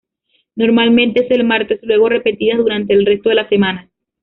Normalmente es el martes luego repetidas durante el resto de la semana.